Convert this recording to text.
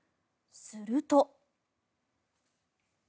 すると。